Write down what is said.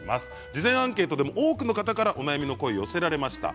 事前アンケートでも多くの方からお悩みの声が寄せられました。